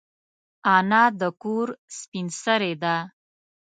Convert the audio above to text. انا د کور سپین سرې ده